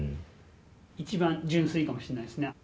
一番純粋かもしれないですね。